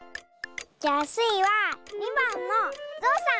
じゃあスイは２ばんのゾウさん！